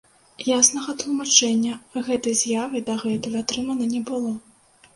Яснага тлумачэння гэтай з'явы дагэтуль атрымана не было.